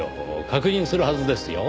確認するはずですよ。